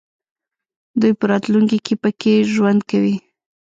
دوی په راتلونکي کې پکې ژوند کوي.